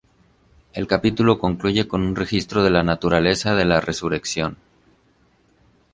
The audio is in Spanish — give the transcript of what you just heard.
El capítulo concluye con un registro de la naturaleza de la resurrección.